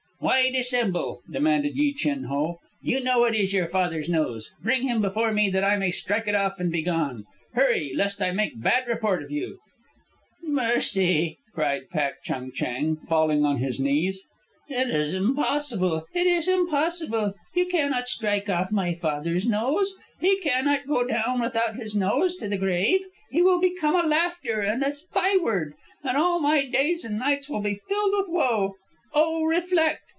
"Why dissemble?" demanded Yi Chin Ho. "You know it is your father's nose. Bring him before me that I may strike it off and be gone. Hurry, lest I make bad report of you." "Mercy!" cried Pak Chung Chang, falling on his knees. "It is impossible! It is impossible! You cannot strike off my father's nose. He cannot go down without his nose to the grave. He will become a laughter and a byword, and all my days and nights will be filled with woe. O reflect!